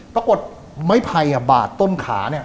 ปรากฏไม่พัยบ่าดต้นขา